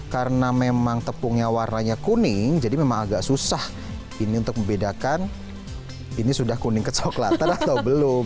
karena memang tepungnya warnanya kuning jadi memang agak susah ini untuk membedakan ini sudah kuning kecoklatan atau belum